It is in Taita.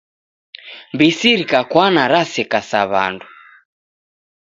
Mbisi rikakwana raseka sa W'andu.